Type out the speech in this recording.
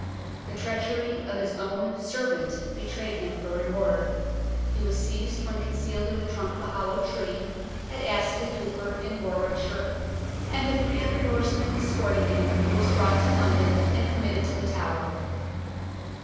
The treachery of his own servant betrayed him for reward. He was seized when concealed in the trunk of a hollow tree at Astley Cooper, in Warwickshire, and with three hundred horsemen escorting him was brought to London and committed to The Tower.